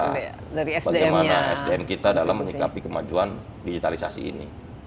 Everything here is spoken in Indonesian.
bagaimana sdm kita dalam menyikapi kemajuan digitalisasi ini